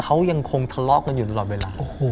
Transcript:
เขายังคงทะเลาะกันอยู่ตลอดเวลา